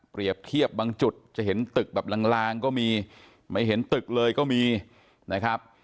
เทียบบางจุดจะเห็นตึกแบบลางก็มีไม่เห็นตึกเลยก็มีนะครับ